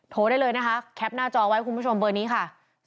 โทรได้เลยนะคะแคปหน้าจอไว้คุณผู้ชมเบอร์นี้ค่ะ